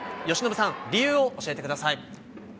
由伸さん、理由を教えてください。